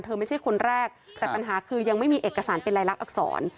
ไม่ใช่คนแรกแต่ปัญหาคือยังไม่มีเอกสารเป็นรายลักษณอักษร